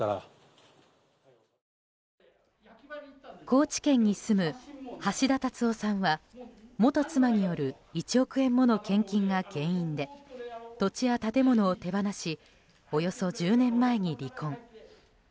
高知県に住む橋田達夫さんは元妻による１億円もの献金が原因で土地や建物を手放しおよそ１０年前に離婚。